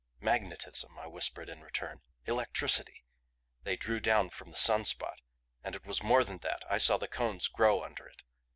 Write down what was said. "Magnetism," I whispered in return. "Electricity they drew down from the sun spot. And it was more than that I saw the Cones grow under it.